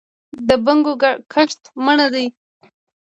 د بنګو کښت منع دی؟